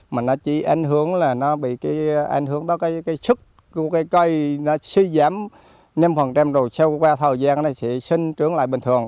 mà nó chỉ ảnh hưởng đến cái sức của cây cây nó suy giảm năm rồi sau qua thời gian nó sẽ sinh trưởng lại bình thường